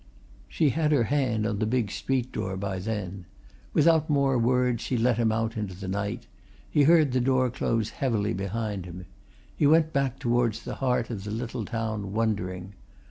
She had her hand on the big street door by then. Without more words she let him out into the night; he heard the door close heavily behind him. He went back towards the heart of the little town, wondering.